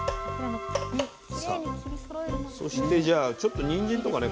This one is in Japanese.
そしてじゃあちょっとにんじんとかね